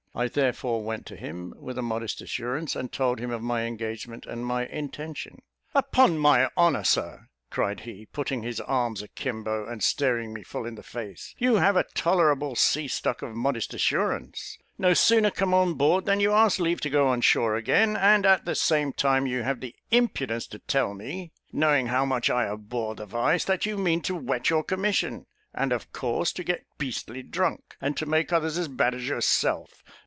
I therefore went to him, with a modest assurance, and told him of my engagement and my intention. "Upon my honour, Sir," cried he, putting his arms akimbo, and staring me full in the face; "you have a tolerable sea stock of modest assurance; no sooner come on board than you ask leave to go on shore again, and at the same time you have the impudence to tell me, knowing how much I abhor the vice, that you mean to wet your commission, and of course to get beastly drunk, and to make others as bad as yourself.